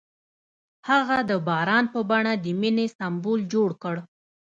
هغه د باران په بڼه د مینې سمبول جوړ کړ.